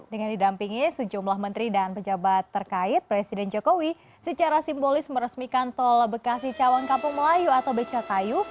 dengan didampingi sejumlah menteri dan pejabat terkait presiden jokowi secara simbolis meresmikan tol bekasi cawang kampung melayu atau becakayu